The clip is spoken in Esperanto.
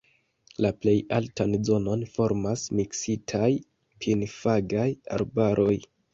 La plej altan zonon formas miksitaj pin-fagaj arbaroj.